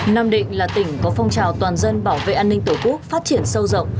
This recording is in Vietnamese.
nam định là tỉnh có phong trào toàn dân bảo vệ an ninh tổ quốc phát triển sâu rộng